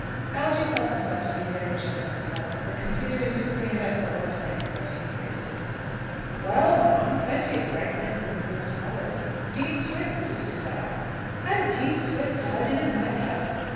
Algy felt himself to be a very generous fellow for continuing to "stand up for old Diamond," as he phrased it. "Well, ma'am, plenty of great men have been poor scholars. Dean Swift was a sizar." "And Dean Swift died in a madhouse!